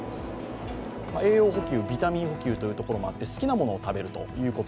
栄養補給、ビタミン補給というところもあって好きなものを食べるということ。